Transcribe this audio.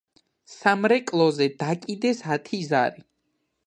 სამრეკლოზე დაკიდეს ათი ზარი.